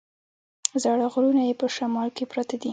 زاړه غرونه یې په شمال کې پراته دي.